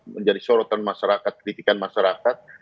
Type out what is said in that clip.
menjadi sorotan masyarakat kritikan masyarakat